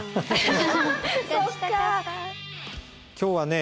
今日はね